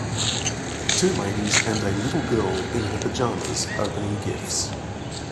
Two ladies and a little girl in her pajamas opening gifts